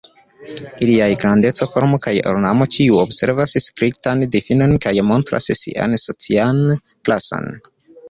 Iliaj grandeco, formo kaj ornamo ĉiu observas striktan difinon kaj montras sian socian klason.